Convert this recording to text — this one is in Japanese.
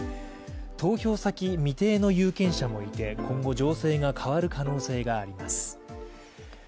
投票先未定の有権者もいて今後、情勢が変わる可能性があります。